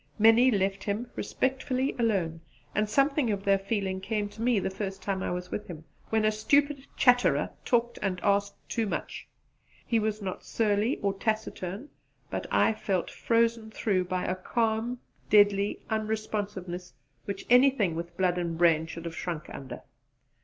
Many left him respectfully alone; and something of their feeling came to me the first time I was with him, when a stupid chatterer talked and asked too much. He was not surly or taciturn, but I felt frozen through by a calm deadly unresponsiveness which anything with blood and brain should have shrunk under.